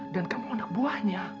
dan kamu anak buahnya